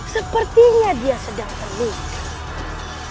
sepertinya dia sedang terluka